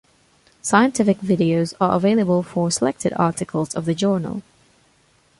Scientific videos are available for selected articles of the journal.